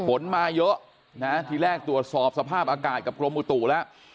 ฝนมาเยอะนะทีแรกตรวจสอบสภาพอากาศกับกรมอุตุแล้ว